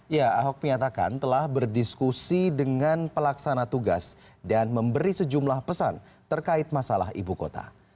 ya ahok menyatakan telah berdiskusi dengan pelaksana tugas dan memberi sejumlah pesan terkait masalah ibu kota